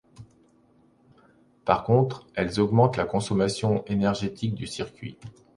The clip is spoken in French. Par contre, elles augmentent la consommation énergétique du circuit.